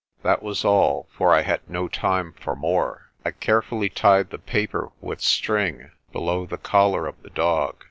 That was all, for I had no time for more. I carefully tied the paper with string below the collar of the dog.